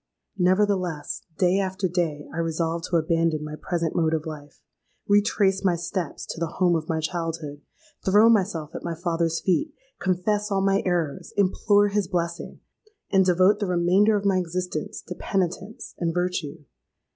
Nevertheless, day after day I resolved to abandon my present mode of life—retrace my steps to the home of my childhood—throw myself at my father's feet—confess all my errors—implore his blessing—and devote the remainder of my existence to penitence and virtue.